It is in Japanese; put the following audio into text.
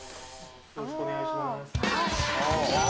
よろしくお願いします。